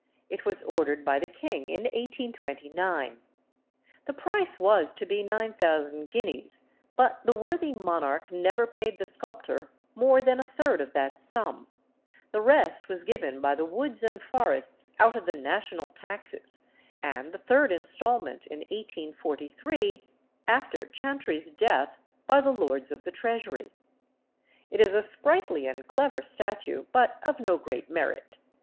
It was ordered by the king in 1829. The price was to be 9000 guineas, but the worthy monarch never paid the sculptor more than a third of that sum; the rest was given by the Woods and Forests out of the national taxes, and the third instalment in 1843, after Chantrey's death, by the Lords of the Treasury. It is a sprightly and clever statue, but of no great merit.